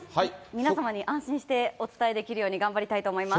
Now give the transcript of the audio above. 皆様に安心してお伝えできるように、頑張りたいと思います。